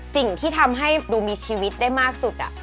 สิ่งที่ทำให้ดูมีชีวิตได้มากสุด